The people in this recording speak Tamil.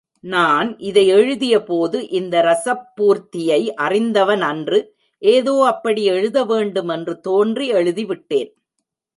நான் இதை எழுதியபோது இந்த ரஸப்பூர்த்தியை அறிந்தவனன்று ஏதோ அப்படி எழுத வேண்டுமென்று தோன்றி எழுதி விட்டேன்.